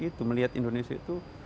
itu melihat indonesia itu